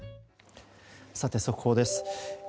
さて、速報です。